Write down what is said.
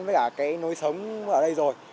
với cả cái nối sống ở đây rồi